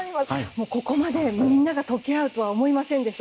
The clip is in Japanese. ここまで思いが溶け合うとは思いませんでした。